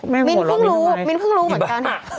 มิ้นเพิ่งรู้เหมือนกัน